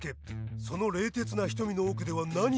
その冷徹な瞳の奥では何を思うのか。